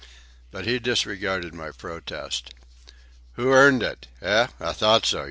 But he disregarded my protest. "Who earned it? Eh? I thought so.